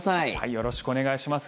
よろしくお願いします。